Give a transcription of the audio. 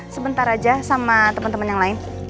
sebentar aja sama temen temen yang lain